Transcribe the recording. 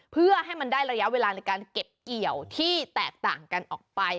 เพื่อให้มันได้ระยะเวลาในการเก็บเกี่ยวที่แตกต่างกันออกไป